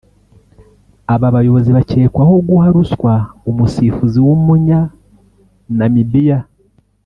Aba bayobozi bakekwaho guha ruswa umusifuzi w’Umunya-Namibia